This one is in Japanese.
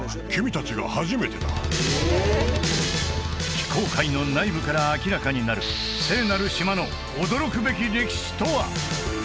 非公開の内部から明らかになる聖なる島の驚くべき歴史とは？